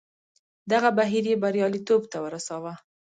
دغه بهیر یې بریالیتوب ته ورساوه.